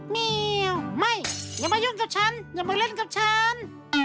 เมียวไม่อย่ามายุ่งกับฉันอย่ามาเล่นกับฉัน